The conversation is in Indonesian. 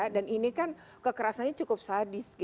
dan ini kan kekerasannya cukup sadis